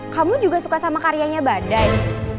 kamu juga suka sama karyanya badai